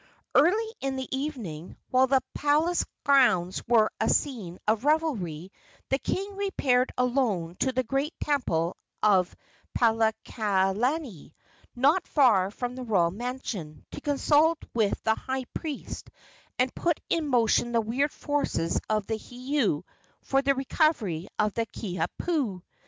Early in the evening, while the palace grounds were a scene of revelry, the king repaired alone to the great temple of Paakalani, not far from the royal mansion, to consult with the high priest and put in motion the weird forces of the heiau for the recovery of the Kiha pu.